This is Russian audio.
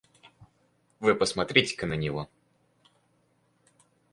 Вы посмотрите-ка на него.